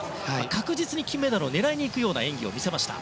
確実に金メダルを狙いにいくような演技を見せました。